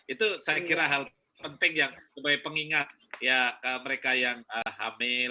itu saya kira hal penting yang sebagai pengingat ya mereka yang hamil